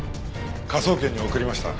科捜研に送りました。